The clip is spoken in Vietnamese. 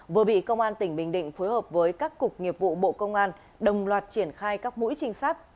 vừa bị công an tp hcm phối hợp với các cục nghiệp vụ bộ công an đồng loạt triển khai các mũi trinh sát